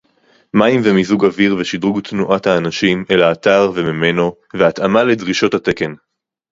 מים ומיזוג אוויר ושדרוג תנועת האנשים אל האתר וממנו והתאמה לדרישות התקן